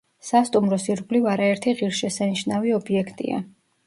სასტუმროს ირგვლივ არაერთი ღირსშესანიშნავი ობიექტია.